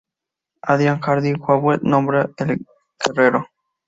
Adrian Hardy Haworth nombra el Gro.